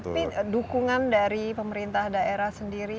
tapi dukungan dari pemerintah daerah sendiri